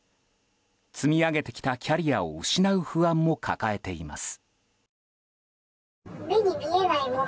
積み上げてきたキャリアを失う不安も抱えています。